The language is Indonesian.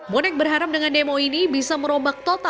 bonek berharam dengan demo ini bisa merobak total